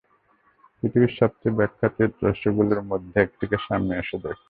পৃথিবীর সবচেয়ে ব্যাখ্যাতীত রহস্যগুলোর মধ্যে একটিকে সামনে এসে দেখুন।